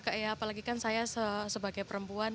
kayak apalagi kan saya sebagai perempuan